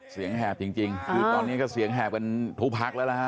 แหบจริงคือตอนนี้ก็เสียงแหบกันทุกพักแล้วนะฮะ